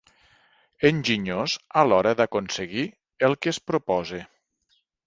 Enginyós a l'hora d'aconseguir el que es proposa.